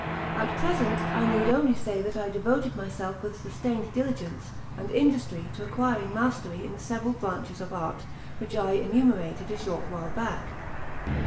At present I need only say that I devoted myself with sustained diligence and industry to acquiring mastery in the several branches of art which I enumerated a short while back.